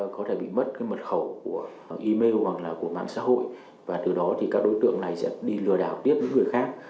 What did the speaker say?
có thể bị mất cái mật khẩu của email hoặc là của mạng xã hội và từ đó thì các đối tượng này sẽ đi lừa đảo tiếp với người khác